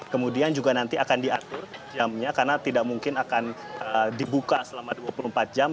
kemudian juga nanti akan diatur jamnya karena tidak mungkin akan dibuka selama dua puluh empat jam